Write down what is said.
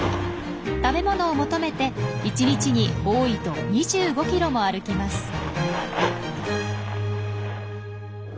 食べ物を求めて１日に多いと２５キロも歩きます。